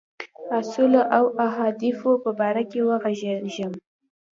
اصولو او اهدافو په باره کې وږغېږم.